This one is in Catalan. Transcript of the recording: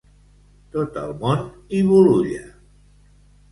Tot el món i Bolulla.